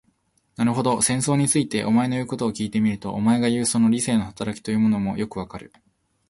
なるほど、戦争について、お前の言うことを聞いてみると、お前がいう、その理性の働きというものもよくわかる。